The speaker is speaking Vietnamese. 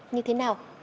như thế nào